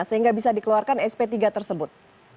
sehingga bisa dikeluarkan sp tiga tersebut